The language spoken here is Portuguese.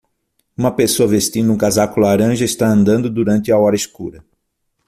Uma pessoa vestindo um casaco laranja está andando durante a hora escura.